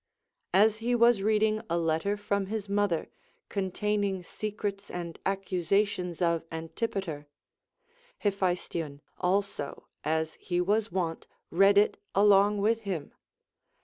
As he Avas reading a letter from his mother, con taining secrets and accusations of Antipater, Hephaestion also (as he was wont) read it along with him.